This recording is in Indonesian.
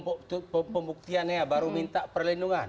pembuktiannya baru minta perlindungan